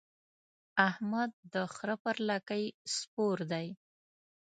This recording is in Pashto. احمد د خره پر لکۍ سپور دی.